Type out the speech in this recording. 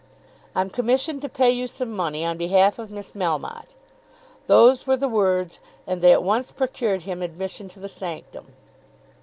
"I'm commissioned to pay you some money on behalf of Miss Melmotte." Those were the words, and they at once procured him admission to the sanctum.